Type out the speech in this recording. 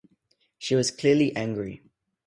She was clearly angry.